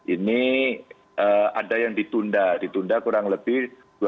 ini ada yang ditunda ditunda kurang lebih dua puluh sembilan lima ratus sembilan puluh empat